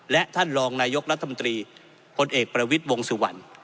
และท่านรองนายกรัฐมนตรีพลเอกประวิทย์วงสุวรรณ